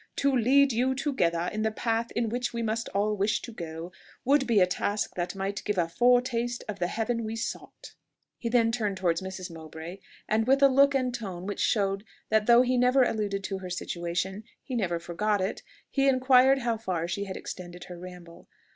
"To lead you together in the path in which we must all wish to go, would be a task that might give a foretaste of the heaven we sought!" He then turned towards Mrs. Mowbray, and with a look and tone which showed that though he never alluded to her situation, he never forgot it, he inquired how far she had extended her ramble.